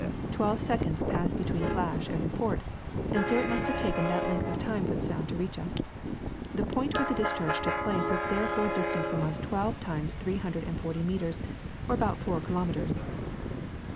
Twelve seconds passed between flash and report, and so it must have taken that length of time for the sound to reach us. The point where the discharge took place is therefore distant from us twelve times three hundred and forty meters, or about four kilometers.